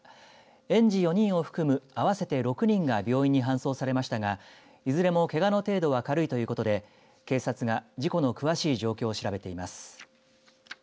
園児４人を含む合わせて６人が病院に搬送されましたがいずれもけがの程度は軽いということで警察が事故の詳しい状況を調べています。